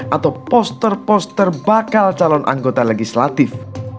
atau poster poster bakal calon anggota legislatif